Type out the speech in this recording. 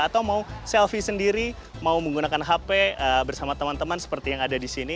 atau mau selfie sendiri mau menggunakan hp bersama teman teman seperti yang ada di sini